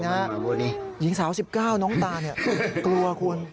หญิงสาว๑๙น้องตากลัวคุณ